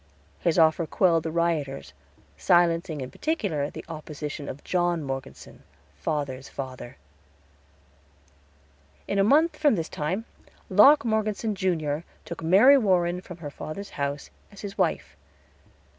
His offer quelled the rioters, silencing in particular the opposition of John Morgeson, father's father. In a month from this time, Locke Morgeson, Jr., took Mary Warren from her father's house as his wife.